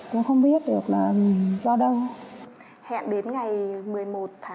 cũng có nhưng mà do là không rõ nguyên nhân